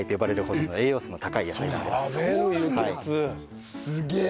すげえ。